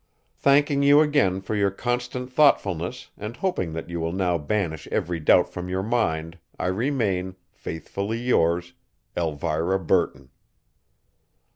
"Thanking you again for your constant thoughtfulness and hoping that you will now banish every doubt from your mind, I remain, "Faithfully yours, "ELVIRA BURTON."